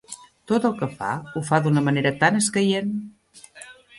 Tot el que fa, ho fa d'una manera tan escaient!